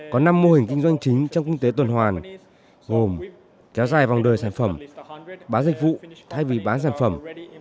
có năm mô hình kinh doanh chính trong kinh tế tuần hoàn gồm kéo dài vòng đời sản phẩm bán dịch vụ thay vì bán sản phẩm